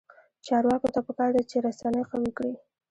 چارواکو ته پکار ده چې، رسنۍ قوي کړي.